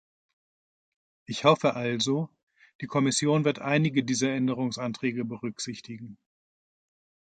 Ich hoffe also, die Kommission wird einige dieser Änderungsanträge berücksichtigen.